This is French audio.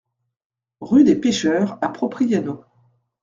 Rue des Pecheurs à Propriano